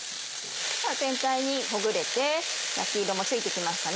全体にほぐれて焼き色もついてきました。